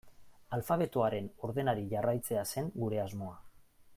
Alfabetoaren ordenari jarraitzea zen gure asmoa.